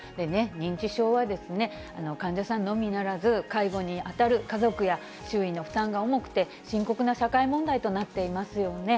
認知症は、患者さんのみならず、介護に当たる家族や周囲の負担が重くて、深刻な社会問題となっていますよね。